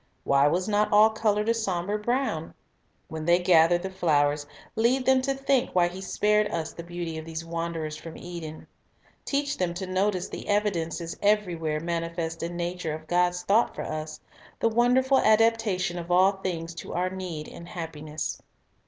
Why was not all colored a somber brown? When they gather the flowers, lead them to think why He spared us the beauty of these wanderers from Eden. Teach them to notice the evidences everywhere mani fest in nature of God's thought for us, the wonderful adaptation of all things to our need and happiness.